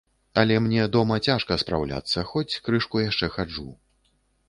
Але мне дома цяжка спраўляцца, хоць крышку яшчэ хаджу.